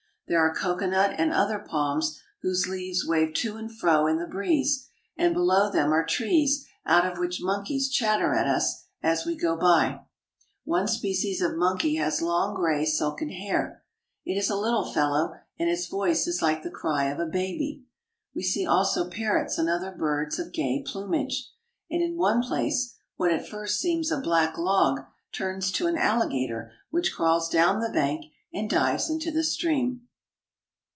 There are coconut and other palms whose leaves wave to and fro in the breeze and below them are trees out of which monkeys chatter at us as we go by. One species of monkey has long, gray, silken hair; it is a little fellow, and its We see many floating houses. voice is like the cry of a baby. We see also parrots and other birds of gay plumage, and in one place what at first seems a black log turns to an alligator which crawls down the bank and dives into the stream.